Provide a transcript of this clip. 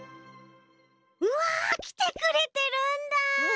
うわきてくれてるんだ！